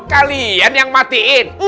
kalian yang matiin